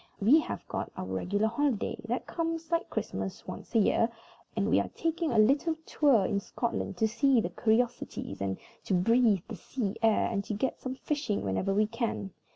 We have got our regular holiday, that comes, like Christmas, once a year, and we are taking a little tour in Scotland to see the curiosities, and to breathe the sea air, and to get some fishing whenever we can.